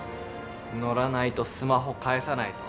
乗らないとスマホ返さないぞ。